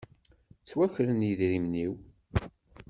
Ttwakren yedrimen-iw.